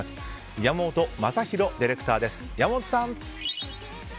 山本将寛ディレクターです。